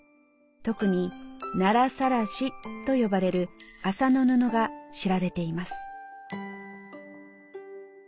特に「奈良晒」と呼ばれる麻の布が知られています。